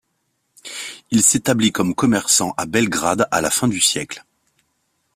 Il s’établit comme commerçant à Belgrade à la fin de siècle.